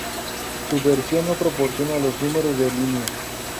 Su versión no proporciona los números de línea.